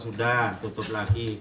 sudah tutup lagi